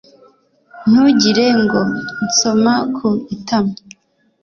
Ntugire ngo nsoma ku itama